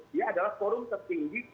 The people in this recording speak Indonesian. dia adalah forum tertinggi